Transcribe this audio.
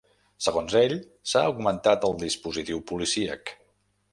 Segons ell, s’ha augmentat el dispositiu policíac.